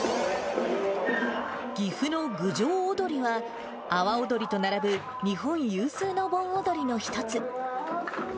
岐阜の郡上おどりは、阿波おどりと並ぶ日本有数の盆踊りの一つ。